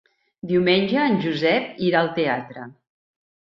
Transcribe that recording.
Diumenge en Josep irà al teatre.